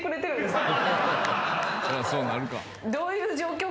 どういう状況？